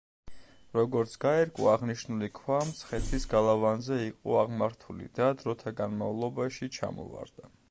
როგორც გაირკვა აღნიშნული ქვა მცხეთის გალავანზე იყო აღმართული და დროთა განმავლობაში ჩამოვარდა.